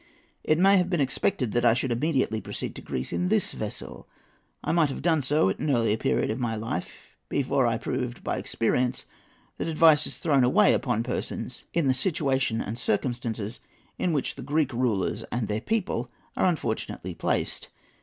It may have been expected that I should immediately proceed to Greece in this vessel. I might have done so at an earlier period of my life, before I had proved by experience that advice is thrown away upon persons in the situation and circumstances in which the Greek rulers and their people are unfortunately placed.